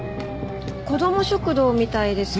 子ども食堂みたいですね。